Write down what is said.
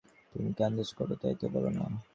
তুমি কী আন্দাজ কর, তাই বলো না!